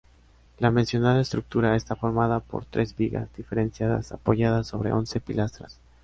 La mencionada estructura está formada por tres vigas diferenciadas apoyadas sobre once pilastras.